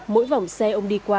mỗi vòng xe ông đi qua